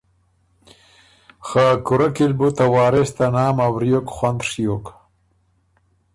خه کُورۀ کی ل بو ته وارث ته نام ا وریوک خوند ڒیوک